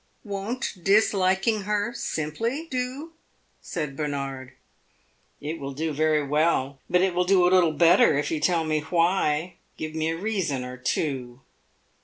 "Won't disliking her, simply, do?" said Bernard. "It will do very well. But it will do a little better if you will tell me why. Give me a reason or two."